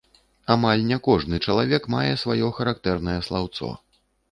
Амаль не кожны чалавек мае сваё характэрнае слаўцо.